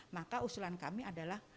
maka usulan kami adalah